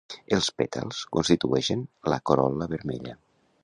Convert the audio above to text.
Els pètals constitueixen la corol·la vermella.